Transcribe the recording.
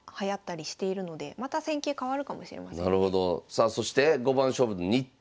さあそして五番勝負の日程